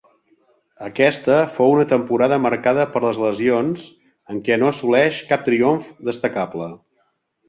Aquesta fou una temporada marcada per les lesions, en què no assoleix cap triomf destacable.